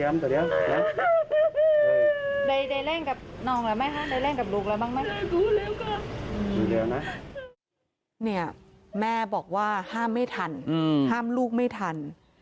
แม่บอกว่าห้ามไม่ทันห้ามลูกไม่ทัน